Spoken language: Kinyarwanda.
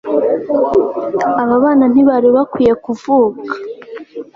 Aba bana ntibari bakwiye kuvuka